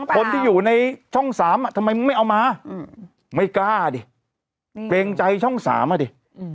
คนที่อยู่ในช่อง๓ทำไมมึงไม่เอามาไม่กล้าดิเกรงใจช่อง๓อ่ะดิ